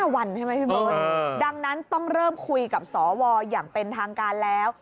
วันใช่ไหมพี่เบิร์ตดังนั้นต้องเริ่มคุยกับสวอย่างเป็นทางการแล้ว